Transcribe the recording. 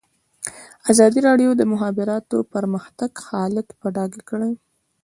ازادي راډیو د د مخابراتو پرمختګ حالت په ډاګه کړی.